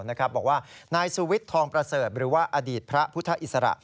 บอกว่านายสุวิทย์ทองประเสริฐหรือว่าอดีตพระพุทธอิสระ